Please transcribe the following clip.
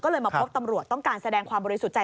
ก็เลยมาพบตำรวจต้องการแสดงความบริสุทธิ์ใจ